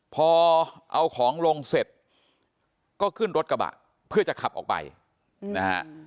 พอเอาของลงเสร็จก็ขึ้นรถกระบะเพื่อจะขับออกไปนะฮะ